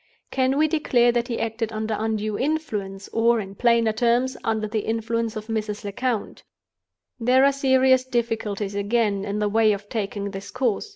"Can we declare that he acted under undue influence; or, in plainer terms, under the influence of Mrs. Lecount? "There are serious difficulties, again, in the way of taking this course.